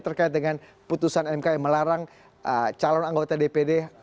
terkait dengan putusan mk yang melarang calon anggota dpd